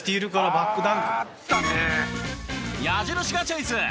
矢印がチェイス。